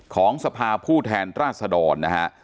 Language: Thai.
ของสภาผู้แทนราชดรนะฮะ